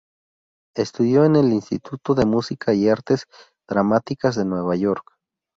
Estudió en el Instituto de Música y Artes Dramáticas de Nueva York.